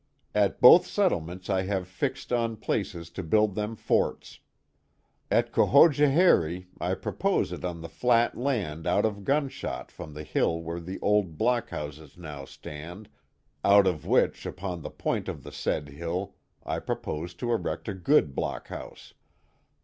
At both settlements I have fixt on Places to build them Forts. At Cohogohery I propose it on the Flat Land out of Gun Shot from the Hill where the Old Block houses now stand, out of which upon the Point of the said Hill I propose to erect a good Block House.